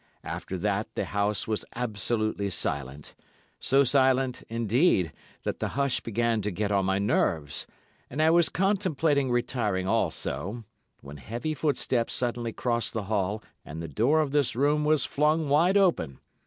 After that the house was absolutely silent, so silent, indeed, that the hush began to get on my nerves, and I was contemplating retiring also, when heavy footsteps suddenly crossed the hall and the door of this room was flung wide open.